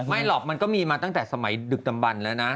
หรอกมันก็มีมาตั้งแต่สมัยดึกดำบันแล้วนะ